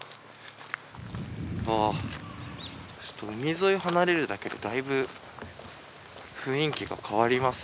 ああ海沿いを離れるだけでだいぶ雰囲気が変わりますね。